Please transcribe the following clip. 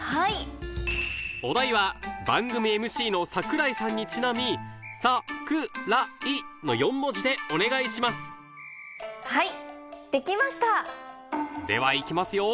お題は番組ＭＣの櫻井さんにちなみ「さ」「く」「ら」「い」の４文字でお願いしますではいきますよ